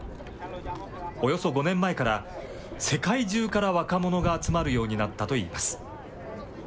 およそ５年前から、世界中から若者が集まるようになったといいます。